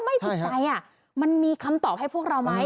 ไม่ติดใจมันมีคำตอบให้พวกเราไหม